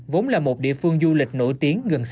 vốn là một địa phương du lịch nổi tiếng gần đây